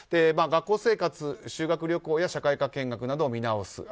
学校生活修学旅行や社会科見学などを見直す。